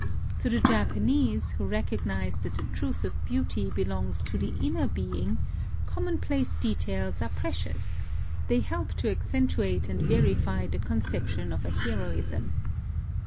To the Japanese, who recognize that the truth of beauty belongs to the inner being, common place details are precious : they help to ac centuate and verify the conception of a heroism.